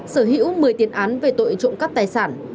sở hữu một mươi tiền án về tội trộm cắp tài sản